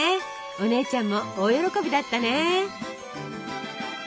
お姉ちゃんも大喜びだったね。